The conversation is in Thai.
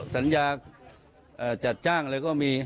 สัญญาจัดจ้างเลยก็มี